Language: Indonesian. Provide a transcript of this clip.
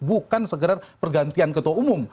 bukan segera pergantian ketua umum